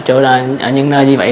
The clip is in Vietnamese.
ở những nơi như vậy